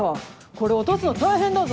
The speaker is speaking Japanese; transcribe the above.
これ落とすの大変だぞ。